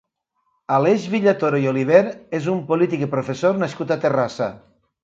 Aleix Villatoro i Oliver és un polític i professor nascut a Terrassa.